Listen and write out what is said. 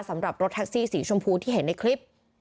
รถแท็กซี่สีชมพูที่เห็นในคลิป